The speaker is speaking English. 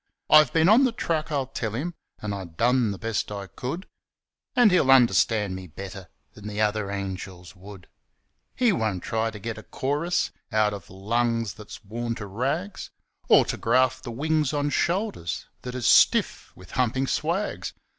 'I've been on the track,' I'll tell him, 'An' I done the best I could,' And he'll understand me better Than the other angels would. He won't try to get a chorus Out of lungs that's worn to rags, Or to graft the wings on shoulders That is stiff with humpin' swags.